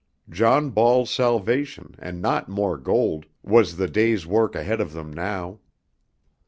John Ball's salvation, and not more gold, was the day's work ahead of them now.